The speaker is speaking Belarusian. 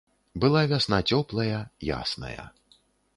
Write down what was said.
Была вясна цёплая, ясная.